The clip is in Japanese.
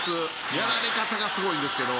やられ方がすごいんですけど」